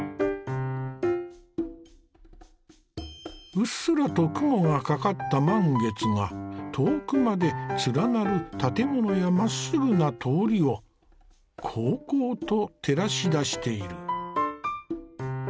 うっすらと雲がかかった満月が遠くまで連なる建物やまっすぐな通りをこうこうと照らし出している。